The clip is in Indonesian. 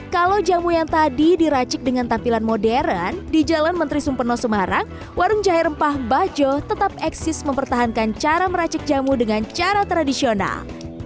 kalau jamu yang tadi diracik dengan tampilan modern di jalan menteri sumpeno semarang warung jahe rempah bajo tetap eksis mempertahankan cara meracik jamu dengan cara tradisional